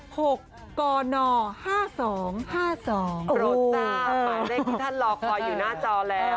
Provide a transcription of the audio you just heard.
โปรตต้าหมายเลขที่ท่านลองคอยอยู่หน้าจอแล้ว